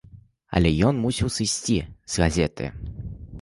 Але ён мусіў сысці з газеты.